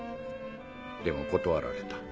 でも断られた。